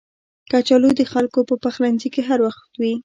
کچالو د خلکو په پخلنځي کې هر وخت وي